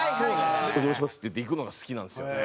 「お邪魔します」って言って行くのが好きなんですよね。